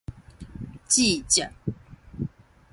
接接